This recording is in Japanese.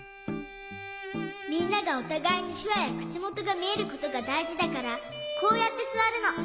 みんながおたがいにしゅわやくちもとがみえることがだいじだからこうやってすわるの。